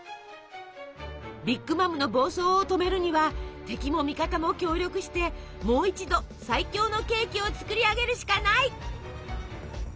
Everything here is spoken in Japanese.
ビッグ・マムの暴走を止めるには敵も味方も協力してもう一度最強のケーキを作り上げるしかない！